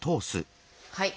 はい。